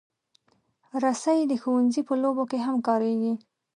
رسۍ د ښوونځي په لوبو کې هم کارېږي.